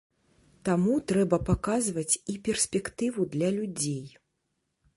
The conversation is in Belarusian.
Таму трэба паказваць і перспектыву для людзей.